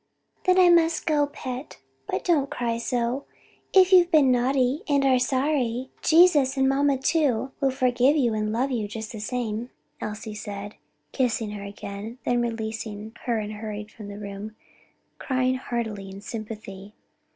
"Then I must go, pet; but don't cry so: if you've been naughty and are sorry, Jesus, and mamma too, will forgive you and love you just the same," Elsie said, kissing her again, then releasing her, hurried from the room, crying heartily in sympathy.